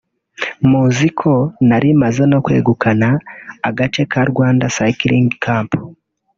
muzi ko narimaze no kwegukana agace ka Rwanda Cycling Cup